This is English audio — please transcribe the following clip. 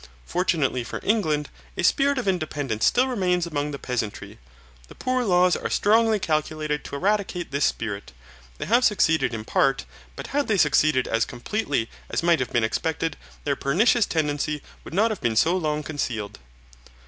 Fortunately for England, a spirit of independence still remains among the peasantry. The poor laws are strongly calculated to eradicate this spirit. They have succeeded in part, but had they succeeded as completely as might have been expected their pernicious tendency would not have been so long concealed.